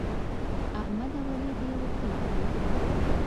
احمد او علي د یوه کلي خلک دي.